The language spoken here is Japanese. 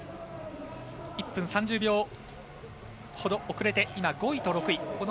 １分３０秒ほど遅れて５位と６位。